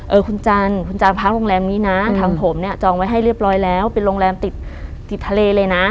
เออคุณจันทร์คุณจันทร์พักโรงแรมนี้นะทางผมเนี่ยจองไว้ให้เรียบร้อยแล้วเป็นโรงแรมติดติดทะเลเลยนะ